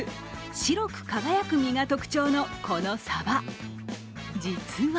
白く輝く身が特徴のこのサバ実は